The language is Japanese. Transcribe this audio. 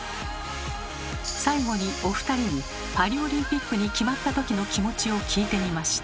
最後にお二人にパリオリンピックに決まったときの気持ちを聞いてみました。